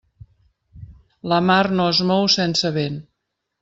La mar no es mou sense vent.